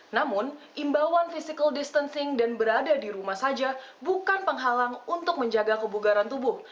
namun imbauan physical distancing dan berada di rumah saja bukan penghalang untuk menjaga kebugaran tubuh